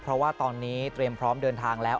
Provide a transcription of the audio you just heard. เพราะว่าตอนนี้เตรียมพร้อมเดินทางแล้ว